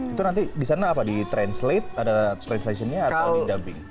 itu nanti di sana apa ditranslate ada translation nya atau di dubbing